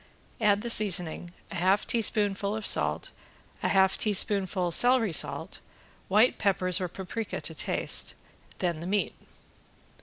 Add the seasoning, a half teaspoonful of salt, a half teaspoonful celery salt, white peppers or paprika to taste, then the meat.